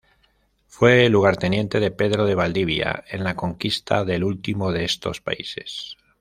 Fue lugarteniente de Pedro de Valdivia en la conquista del último de estos países.